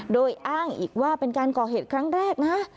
โดยอ้างอีกว่าเป็นการก่อเหตุครั้งแรกนะ